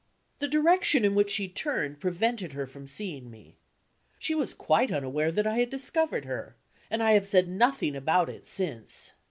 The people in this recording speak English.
The direction in which she turned prevented her from seeing me. She was quite unaware that I had discovered her; and I have said nothing about it since.